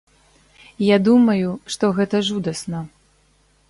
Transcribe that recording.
Я думаю, што гэта жудасна.